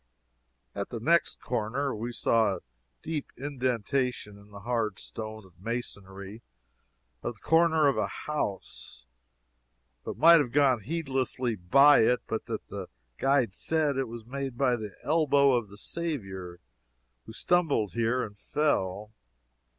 At the next corner we saw a deep indention in the hard stone masonry of the corner of a house, but might have gone heedlessly by it but that the guide said it was made by the elbow of the Saviour, who stumbled here and fell.